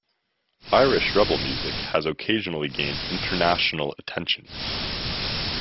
Irish rebel music has occasionally gained international attention.